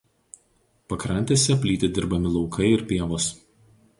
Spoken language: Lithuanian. Pakrantėse plyti dirbami laukai ir pievos.